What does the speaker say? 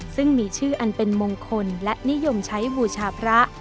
ซึ่งมีชื่ออันเป็นมงคลและนิยมใช้บูชาพระ